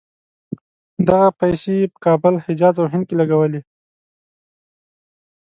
دغه پیسې یې په کابل، حجاز او هند کې لګولې.